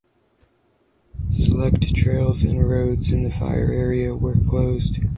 Select trails and roads in the fire area were closed.